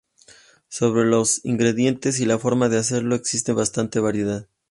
Sobre los ingredientes y la forma de hacerlo existe bastante variedad.